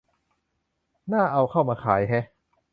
น่าเอา เข้ามาขายแฮะ